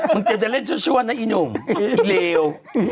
มึงเราจะเล่นทั่วนะอีหนุ่มอีเหลว